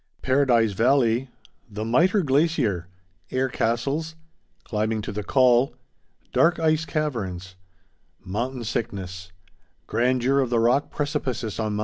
_Paradise Valley—The Mitre Glacier—Air Castles—Climbing to the Col—Dark Ice Caverns—Mountain Sickness—Grandeur of the Rock Precipices on Mt.